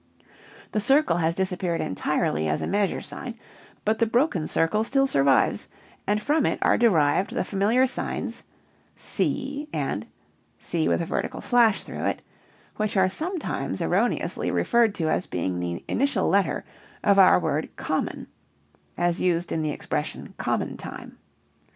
The circle has disappeared entirely as a measure sign, but the broken circle still survives, and from it are derived the familiar signs [common time symbol] and [cut time symbol], which are sometimes erroneously referred to as being the initial letter of our word common (as used in the expression "common time").